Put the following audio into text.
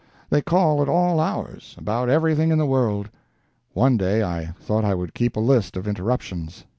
They call at all hours, about everything in the world. One day I thought I would keep a list of interruptions.